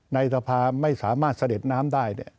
ในทะพาไม่สามารถเสร็จน้ำได้เนี่ย